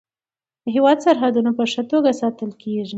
د هیواد سرحدونه په ښه توګه ساتل کیږي.